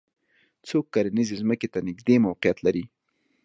څوک کرنیزې ځمکې ته نږدې موقعیت لري